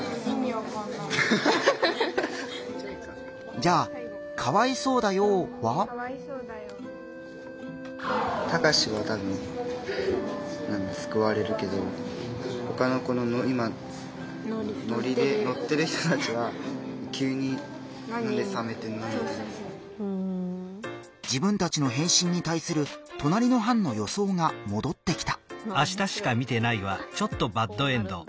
じゃあ「かわいそうだよー」は？自分たちの返信にたいするとなりの班の予想がもどってきた。